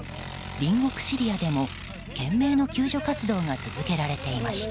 隣国シリアでも懸命の救助活動が続けられていました。